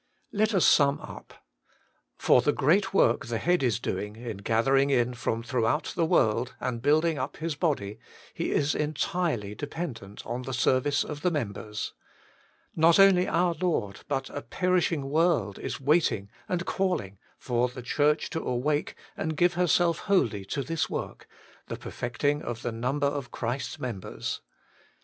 Let us sum up. For the great work the Head is doing in gathering in from throughout the world and building vip His body, He is entirely dependent on the serv ice of the members. Not only our Lord, but a perishing world is waiting and calling for the Church to awake and give herself wholly to this work — the perfecting of the number of Christ's members.